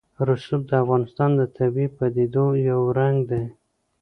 رسوب د افغانستان د طبیعي پدیدو یو رنګ دی.